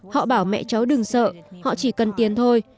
họ bảo mẹ cháu đừng sợ họ chỉ cần tiền thôi